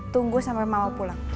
tunggu sampai mama pulang